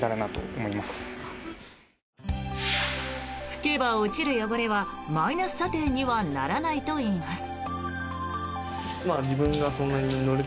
拭けば落ちる汚れはマイナス査定にはならないといいます。